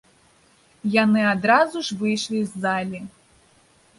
Яны адразу ж выйшлі з залі.